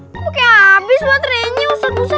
kok kayak abis banget renyah ustadz musa